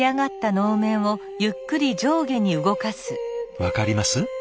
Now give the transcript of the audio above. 分かります？